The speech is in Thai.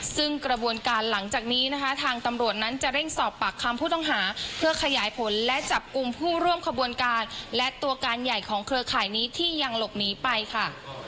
ซึ่งกระบวนการหลังจากนี้นะคะทางตำรวจนั้นจะเร่งสอบปากคำผู้ต้องหาเพื่อขยายผลและจับกลุ่มผู้ร่วมขบวนการและตัวการใหญ่ของเครือข่ายนี้ที่ยังหลบหนีไปค่ะ